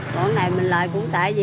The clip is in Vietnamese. còn cái này mình lợi cũng tệ gì